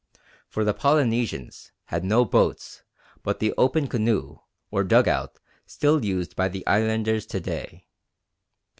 For the Polynesians had no boats but the open canoe or dug out still used by the islanders to day.